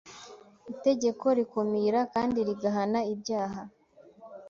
itegeko rikumira kandi rigahana ibyaha